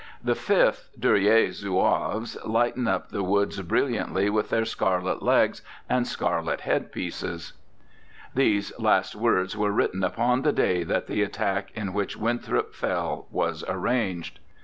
The Fifth, Duryea's Zouaves, lighten up the woods brilliantly with their scarlet legs and scarlet head pieces. These last words were written upon the day that the attack in which Winthrop fell was arranged.